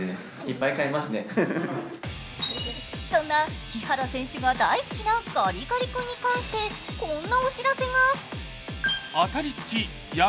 そんな木原選手が大好きなガリガリに関してこんなお知らせが。